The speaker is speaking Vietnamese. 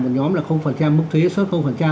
một nhóm là mức thuế xuất